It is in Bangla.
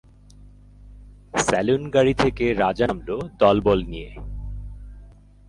সেলুন-গাড়ি থেকে রাজা নামল দলবল নিয়ে।